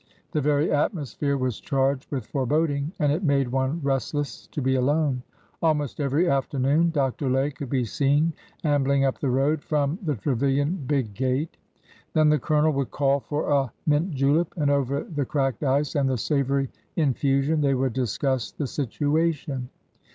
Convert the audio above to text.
The very atmosphere was charged with foreboding, and it made one restless to be alone. Almost every afternoon Dr. Lay could be seen ambling up the road from the Tre vilian big gate.'' Then the Colonel would call for a mint julep, and over the cracked ice and the savory in fusion they would discuss the situation.